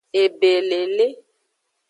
Ebelele.